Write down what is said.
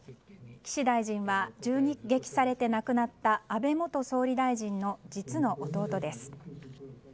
岸大臣は、銃撃されて亡くなった安倍元総理大臣の実の弟です。